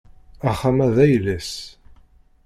Axxam-a d ayla-s.